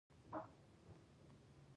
د پسوریازیس لپاره د لمر وړانګې وکاروئ